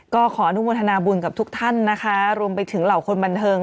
ก็ขออนุโมทนาบุญกับทุกท่านนะคะรวมไปถึงเหล่าคนบันเทิง